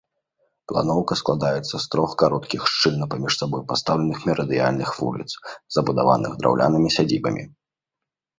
Планоўка складаецца з трох кароткіх, шчыльна паміж сабой пастаўленых мерыдыянальных вуліц, забудаваных драўлянымі сядзібамі.